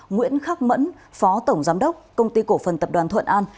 nguyễn khắc mẫn phó tổng giám đốc công ty cổ phần tập đoàn thuận an